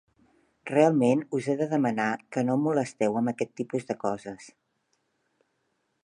Realment us he de demanar que no em molesteu amb aquest tipus de coses.